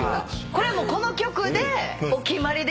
これはもうこの曲でお決まりでやってしまう？